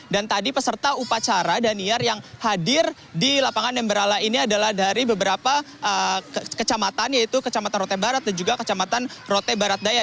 dan tadi peserta upacara dan niar yang hadir di lapangan nembrala ini adalah dari beberapa kecamatan yaitu kecamatan rote barat dan juga kecamatan rote barat daya